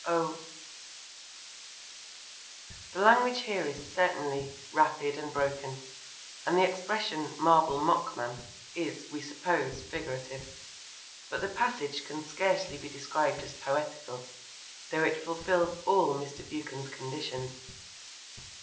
Oh! The language here is certainly rapid and broken, and the expression 'marble mockman' is, we suppose, figurative, but the passage can scarcely be described as poetical, though it fulfils all Mr. Buchan's conditions.